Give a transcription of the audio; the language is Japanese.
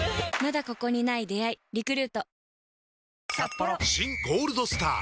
この後「新ゴールドスター」！